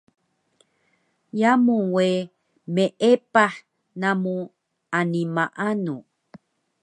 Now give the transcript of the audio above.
Yamu we meepah namu ani maanu